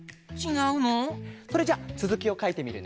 それじゃあつづきをかいてみるね。